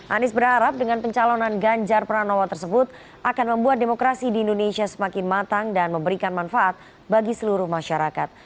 anies berharap dengan pencalonan ganjar pranowo tersebut akan membuat demokrasi di indonesia semakin matang dan memberikan manfaat bagi seluruh masyarakat